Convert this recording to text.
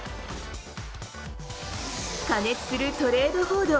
過熱するトレード報道。